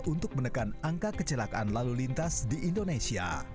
untuk menekan angka kecelakaan lalu lintas di indonesia